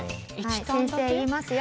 先生言いますよ。